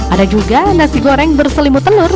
ada juga nasi goreng berselimut telur